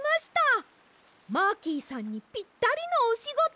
マーキーさんにぴったりのおしごと！